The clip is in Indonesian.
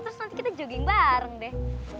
terus nanti kita jogging bareng deh